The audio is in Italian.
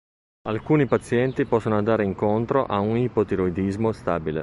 Alcuni pazienti possono andare incontro a un ipotiroidismo stabile.